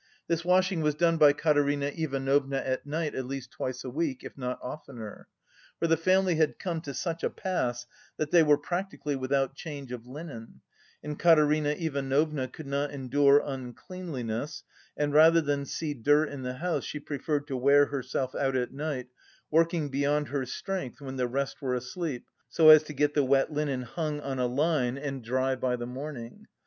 This washing was done by Katerina Ivanovna at night at least twice a week, if not oftener. For the family had come to such a pass that they were practically without change of linen, and Katerina Ivanovna could not endure uncleanliness and, rather than see dirt in the house, she preferred to wear herself out at night, working beyond her strength when the rest were asleep, so as to get the wet linen hung on a line and dry by the morning.